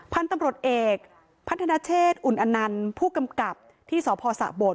พันธุ์ตำรวจเอกพัฒนาเชษอุนอนันต์ผู้กำกับที่สพสะโบด